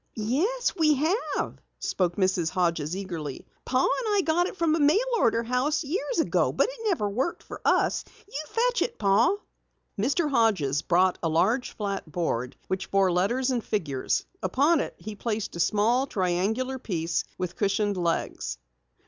"Yes, we have," spoke Mrs. Hodges eagerly. "Pa and I got it from a mail order house years ago, but it never worked for us. You fetch it, Pa." Mr. Hodges brought a large, flat board which bore letters and figures. Upon it he placed a small, triangular piece with cushioned legs.